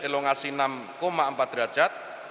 elongasi enam empat derajat